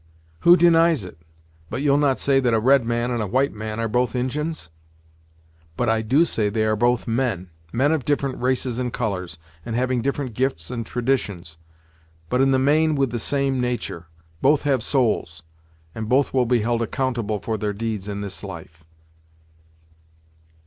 "Who denies it? But you'll not say that a red man and a white man are both Injins?" "But I do say they are both men. Men of different races and colors, and having different gifts and traditions, but, in the main, with the same natur'. Both have souls; and both will be held accountable for their deeds in this life."